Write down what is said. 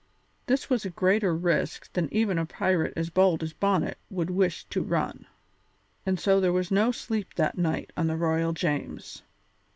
This was a greater risk than even a pirate as bold as Bonnet would wish to run, and so there was no sleep that night on the Royal James.